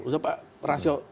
udah pak rasio